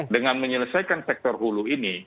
dengan menyelesaikan sektor hulu ini